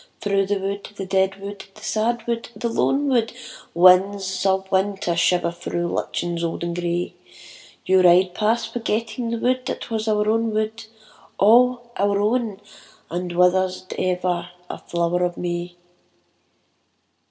Through the wood, the dead wood, the sad wood, the lone wood, Winds of winter shiver through lichens old and grey, You ride past forgetting the wood that was our own wood, All our own and withered as ever a flower of May.